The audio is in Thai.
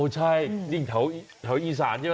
อ๋อใช่นี่แถวอีสานใช่หรอ